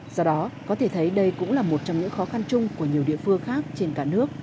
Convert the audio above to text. do đó có thể thấy đây cũng là một trong những khó khăn chung của nhiều địa phương khác trên cả nước